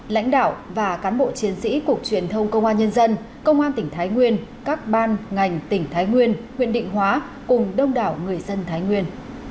lãnh đạo và cán bộ chiến sĩ cục truyền thông công an nhân dân công an tỉnh thái nguyên các ban ngành tỉnh thái nguyên huyện định hóa cùng đông đảo người dân thái nguyên